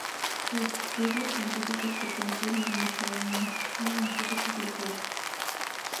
Estudios científicos que confirmen esto aún no han sido publicados.